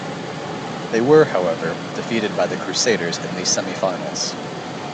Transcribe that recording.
They were however defeated by the Crusaders in the semi finals.